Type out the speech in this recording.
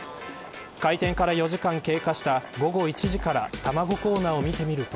開店から４時間経過した午後１時から卵コーナーを見てみると。